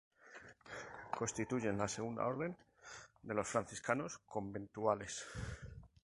Constituye la Segunda Orden de los franciscanos conventuales.